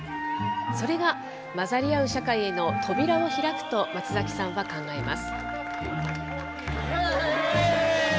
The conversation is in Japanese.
それが混ざり合う社会への扉を開くと松崎さんは考えます。